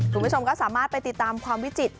คุณผู้ชมก็สามารถไปติดตามความวิจิตร